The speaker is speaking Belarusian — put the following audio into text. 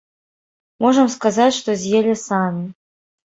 Можам сказаць, што з'елі самі.